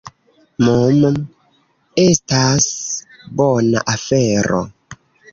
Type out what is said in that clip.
"Mmm, estas bona afero."